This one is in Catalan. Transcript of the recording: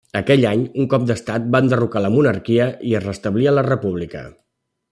Aquell any, un cop d'estat va enderrocar la monarquia i es restablia la República.